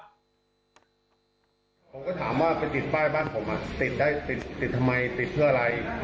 ผมก็ถามว่าไปติดป้ายบ้านผมติดได้ติดทำไมติดเพื่ออะไร